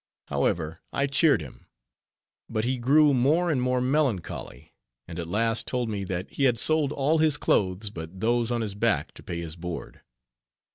However, I cheered him. But he grew more and more melancholy, and at last told me, that he had sold all his clothes but those on his back to pay his board.